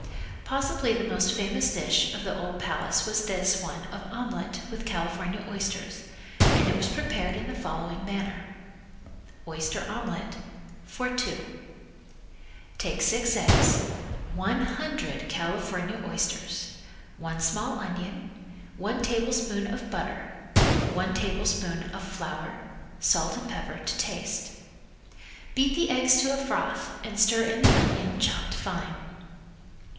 Possibly the most famous dish of the old Palace was this one of omelet with California oysters, and it was prepared in the following manner: Oyster Omelet (For two): Take six eggs, one hundred California oysters, one small onion, one tablespoonful of butter, one tablespoonful of flour, salt and pepper to taste. Beat the eggs to a froth and stir in the onion chopped fine.